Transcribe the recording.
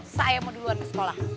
saya mau duluan ke sekolah